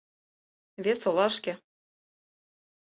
— Вес олашке.